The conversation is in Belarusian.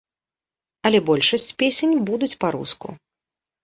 Але большасць песень будуць па-руску.